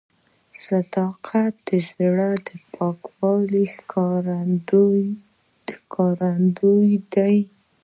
صداقت د زړه د پاکوالي ښکارندوی دی.